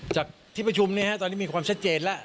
จากที่ประชุมตอนนี้มีความชัดเจนแล้ว